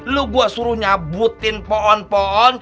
lu gua suruh nyabutin pohon pohon